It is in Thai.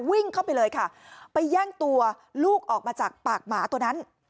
วิ่งเข้าไปเลยค่ะไปแย่งตัวลูกออกมาจากปากหมาตัวนั้น